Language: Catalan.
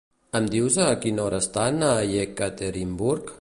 Em dius a quina hora estan a Iekaterinburg?